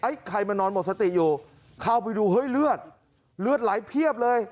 ใครมานอนหมดสติอยู่เข้าไปดูเฮ้ยเลือดเลือดไหลเพียบเลย